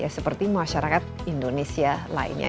seperti masyarakat indonesia lainnya